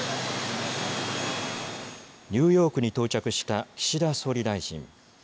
ニューヨークに到着した岸田総理大臣。